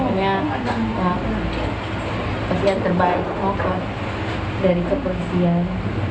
hanya kesian terbaik dari kepolisian